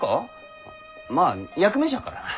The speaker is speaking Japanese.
まあ役目じゃからな。